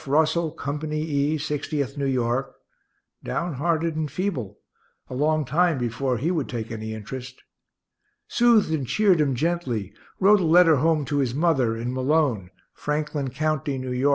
Russell, Company E, Sixtieth New York down hearted and feeble; a long time before he would take any interest; soothed and cheered him gently; wrote a letter home to his mother, in Malone, Franklin county, N. Y.